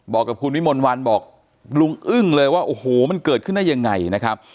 บอกกับคุณวิมลวันบอกลุงอึ้งเลยว่าโอ้โหมันเกิดขึ้นได้ยังไงนะครับ